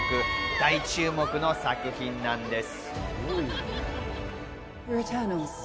大注目の作品です。